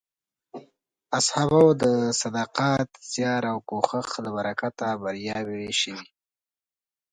اصحابو د صداقت، زیار او کوښښ له برکته بریاوې شوې.